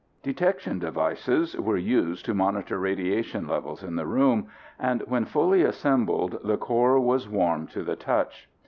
Detection devices were used to monitor radiation levels in the room, and when fully assembled the core was warm to the touch.